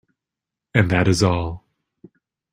And that is all.